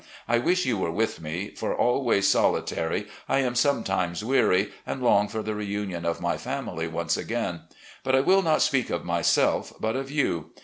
I wish you were with me, for, always soli tary, I am sometimes weary, and long for the reunion of my family once again. But I will not speak of myself, but of you.